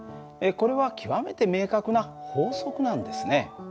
これは極めて明確な法則なんですね。